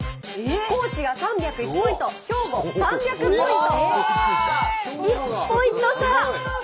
高知が３０１ポイント兵庫３００ポイント。